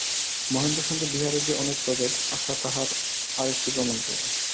মহেন্দ্রের সঙ্গে বিহারীর যে অনেক প্রভেদ, আশা তাহার আর-একটি প্রমাণ পাইল।